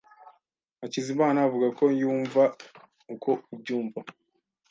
Hakizimana avuga ko yumva uko ubyumva.